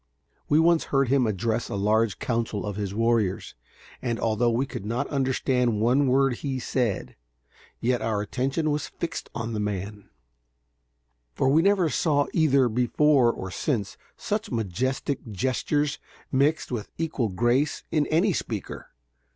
We once heard him address a large council of his warriors, and, although we could not understand one word he said, yet our attention was fixed on the man, for we never saw either before or since such majestic gestures, mixed with equal grace, in any speaker.